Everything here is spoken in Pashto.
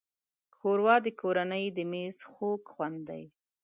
ښوروا د کورنۍ د مېز خوږ خوند دی.